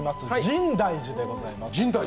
深大寺でございます。